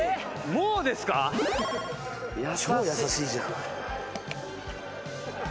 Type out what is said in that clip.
超優しいじゃん。